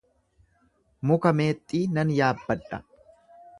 Muka meexxii nan yaabbadha.